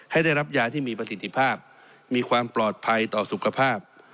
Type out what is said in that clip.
ได้รับยาที่มีประสิทธิภาพมีความปลอดภัยต่อสุขภาพ